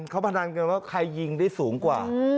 เขาพนันกันว่าใครยิงได้สูงกว่า